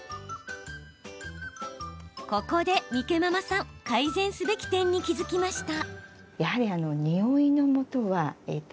ここで、みけままさん改善すべき点に気付きました。